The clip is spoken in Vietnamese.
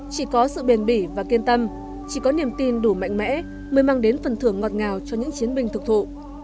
chỉ có sự bền bỉ và kiên tâm chỉ có niềm tin đủ mạnh mẽ mới mang đến phần thưởng ngọt ngào cho những chiến binh thực thụ